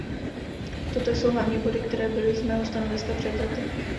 Toto jsou hlavní body, které byly z mého stanoviska převzaty.